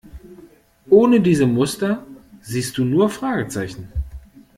Ohne diese Muster siehst du nur Fragezeichen.